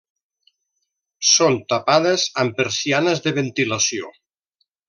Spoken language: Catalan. Són tapades amb persianes de ventilació.